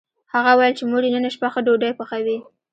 هغه وویل چې مور یې نن شپه ښه ډوډۍ پخوي